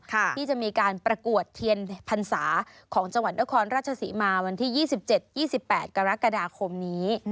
ที่จะมีการประกวดเทียนพรรษาของจังหวัดนครราชศรีมาวันที่๒๗๒๘กรกฎาคมนี้